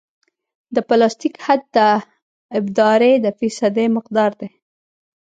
د پلاستیک حد د ابدارۍ د فیصدي مقدار دی